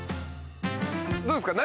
どうですか？